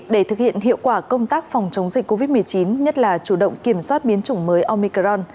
để thực hiện hiệu quả công tác phòng chống dịch covid một mươi chín nhất là chủ động kiểm soát biến chủng mới omicron